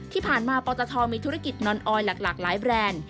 ที่ผ่านมาปตทมีธุรกิจนอนออยหลากหลายแบรนด์